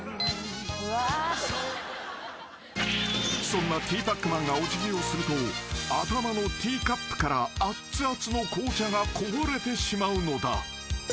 ［そんなティーパックマンがお辞儀をすると頭のティーカップからあつあつの紅茶がこぼれてしまうのだ］